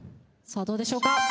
さあどうでしょうか？